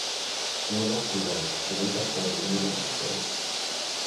Unha voz plural, de moitas cores, de moitos sectores.